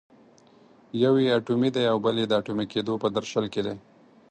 یو یې اټومي دی او بل یې د اټومي کېدو په درشل کې دی.